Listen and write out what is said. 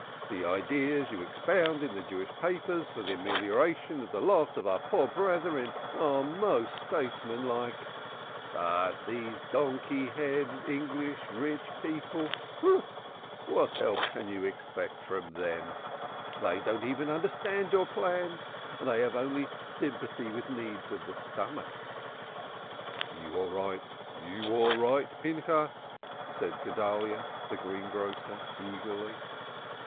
The ideas you expound in the Jewish papers for the amelioration of the lot of our poor brethren are most statesmanlike. But these donkey head English rich people what help can you expect from them? They do not even understand your plans. They have only sympathy with needs of the stomach." "You are right! You are right, Pinchas!" said Guedalyah, the greengrocer, eagerly.